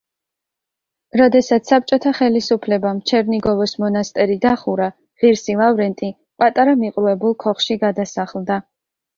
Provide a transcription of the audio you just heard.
როდესაც საბჭოთა ხელისუფლებამ ჩერნიგოვოს მონასტერი დახურა, ღირსი ლავრენტი პატარა მიყრუებულ ქოხში გადასახლდა.